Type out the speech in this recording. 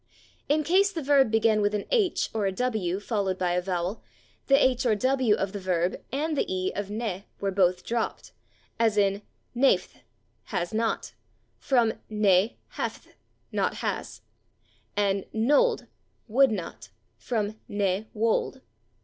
In case the verb began with an /h/ or a /w/ followed by a vowel, the /h/ or /w/ of the verb and the /e/ of /ne/ were both dropped, as in /naefth/ (=/has not/), from /ne haefth/ (=/not has/), and /nolde/ (=/would not/), from /ne wolde